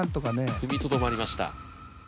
踏みとどまりました。